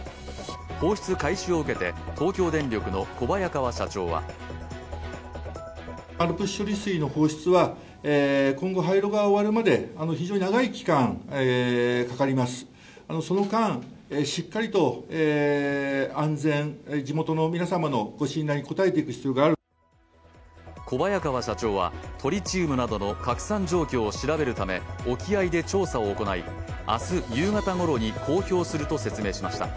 放出開始を受けて、東京電力の小早川社長は小早川社長は、トリチウムなどの拡散状況を調べるため、沖合で調査を行い、明日夕方ごろに公表すると説明しました。